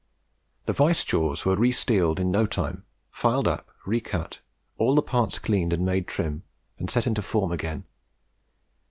The vice jaws were re steeled "in no time," filed up, re cut, all the parts cleaned and made trim, and set into form again.